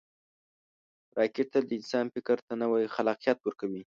راکټ تل د انسان فکر ته نوی خلاقیت ورکوي